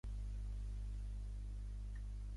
Era el germà gran del també ciclista Manuel Galera.